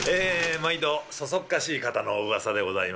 毎度そそっかしい方のお噂でございますけども。